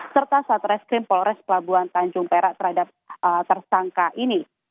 serta satreskrim polres pelabuhan tanjung perak terhadap tersangka ini